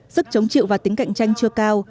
sức chống chịu và tính cạnh tranh chưa cao